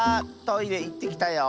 トイレいってきたよ。